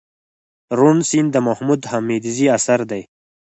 روڼ سيند دمحمود حميدزي اثر دئ